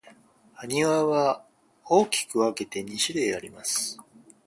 埴輪は大きく分けて二種類あります。